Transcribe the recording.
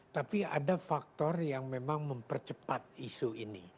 tapi ada faktor yang memang mempercepat isu ini